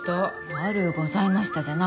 悪うございましたじゃなくて。